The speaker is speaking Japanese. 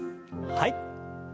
はい。